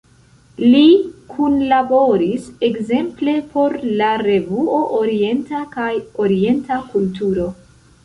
Li kunlaboris ekzemple por "La Revuo Orienta" kaj "Orienta Kulturo".